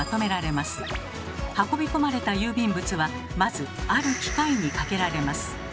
運び込まれた郵便物はまず「ある機械」にかけられます。